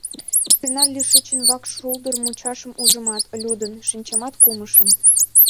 Тынар лишычын вакш шулдыр мучашым ужымат, лӱдын, шинчамат кумышым.